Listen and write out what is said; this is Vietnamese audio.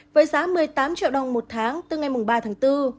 với giá một mươi tám triệu đồng một tháng từ ngày ba tháng bốn